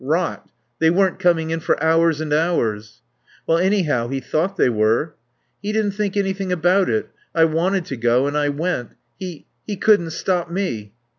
"Rot. They weren't coming in for hours and hours." "Well, anyhow he thought they were." "He didn't think anything about it. I wanted to go and I went. He he couldn't stop me."